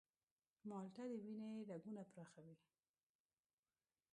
مالټه د وینې رګونه پراخوي.